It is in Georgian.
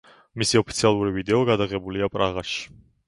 მისი ოფიციალური ვიდეო გადაღებულია პრაღაში.